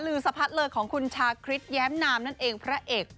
รือสะพะเลอของหุ่นชาคริจแย้มนามนั่นเองน่ะเองพระเอก